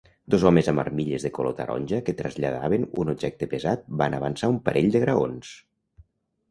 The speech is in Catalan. Dos homes amb armilles de color taronja que traslladaven un objecte pesat van avançar un parell de graons.